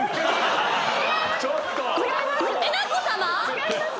違います。